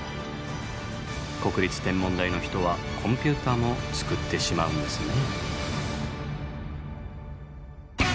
国立天文台の人はコンピューターも作ってしまうんですね。